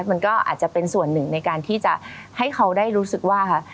มันก็อาจจะเป็นส่วนหนึ่งในการที่จะให้เขาได้รู้สึกว่า